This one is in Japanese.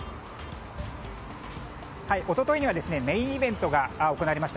一昨日にはメインイベントが行われました。